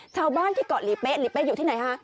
ชาวบ้านที่เกาะหลีเป๊ะหลีเป๊ะอยู่ที่ไหนคะ